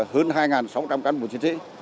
hơn hai sáu trăm linh cán bộ chiến sĩ